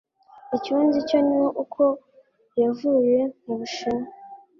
Icyo nzi cyo ni uko yavuye mu Bushinwa